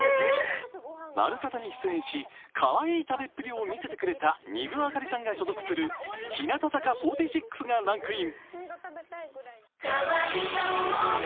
「まるサタ」に出演し、かわいい食べっぷりを見せてくれた丹生明里さんが所属する日向坂４６がランクイン。